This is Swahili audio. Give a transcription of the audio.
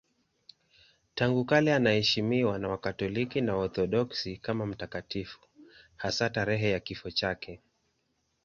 Tangu kale anaheshimiwa na Wakatoliki na Waorthodoksi kama mtakatifu, hasa tarehe ya kifo chake.